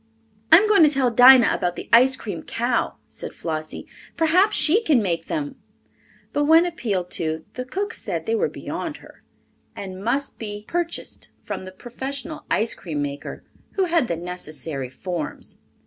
"I'm going to tell Dinah about the ice cream cow," said Flossie. "Perhaps she can make them." But when appealed to, the cook said they were beyond her, and must be purchased from the professional ice cream maker, who had the necessary forms.